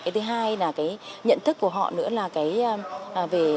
thứ hai là cái nhận thức của họ nữa là cái về